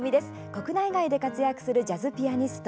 国内外で活躍するジャズピアニスト